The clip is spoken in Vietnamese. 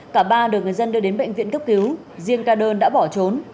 cả ba được người dân đưa đến bệnh viện cấp cứu riêng ca đơn đã bỏ trốn